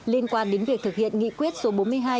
liên quan đến việc thực hiện nghị quyết số bốn mươi hai